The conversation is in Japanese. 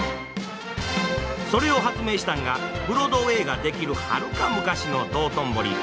それを発明したんがブロードウェイが出来るはるか昔の道頓堀。